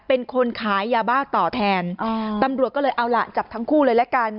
เป็นคนขายยาบ้าต่อแทนตำรวจก็เลยเอาล่ะจับทั้งคู่เลยละกัน